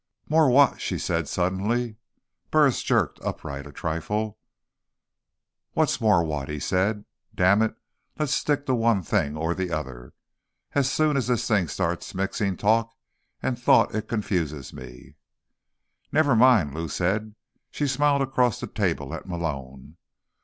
"More what?" she said suddenly. Burris jerked upright a trifle. "What's more what?" he said. "Damn it, let's stick to one thing or the other. As soon as this thing starts mixing talk and thought it confuses me." "Never mind," Lou said. She smiled across the table at Malone.